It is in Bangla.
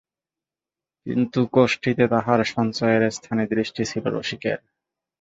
কিন্তু কোষ্ঠীতে তাহার সঞ্চয়ের স্থানে দৃষ্টি ছিল রসিকের।